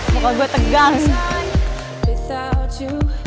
maka gue tegang sih